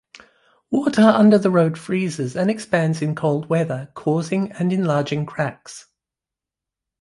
Water under the road freezes and expands in cold weather, causing and enlarging cracks.